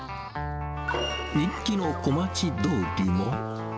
人気の小町通りも。